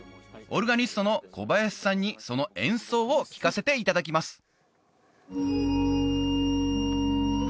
オルガニストの小林さんにその演奏を聴かせていただきます